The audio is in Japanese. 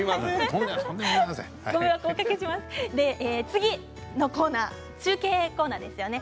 次のコーナー中継コーナーですよね。